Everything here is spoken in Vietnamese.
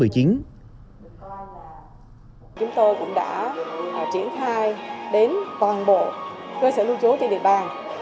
chúng tôi cũng đã triển khai đến toàn bộ cơ sở lưu trú trên địa bàn